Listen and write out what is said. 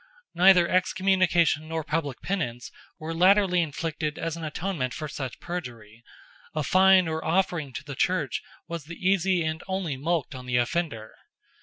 Neither excommunication nor public penance were latterly inflicted as an atonement for such perjury: a fine or offering to the Church was the easy and only mulct on the offender.